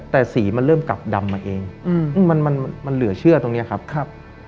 แต่สีมันเริ่มกลับดำมาเองอืมมันมันเหลือเชื่อตรงเนี้ยครับครับ